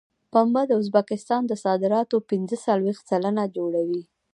پنبه د ازبکستان د صادراتو پنځه څلوېښت سلنه جوړوي.